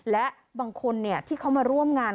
และบางคนที่เขามาร่วมงาน